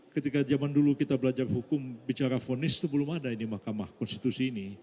ketika zaman dulu kita belajar hukum bicara fonis itu belum ada ini mahkamah konstitusi ini